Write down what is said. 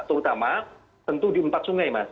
terutama tentu di empat sungai mas